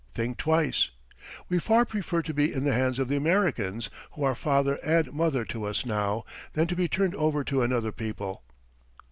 Think twice! We far prefer to be in the hands of the Americans, who are father and mother to us now, than to be turned over to another people."